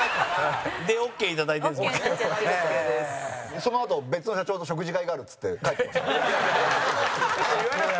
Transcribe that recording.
そのあと「別の社長と食事会がある」っつって帰ってました。